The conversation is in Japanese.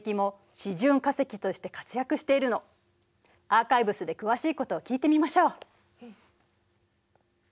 アーカイブスで詳しいことを聞いてみましょう。